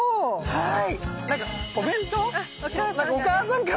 はい。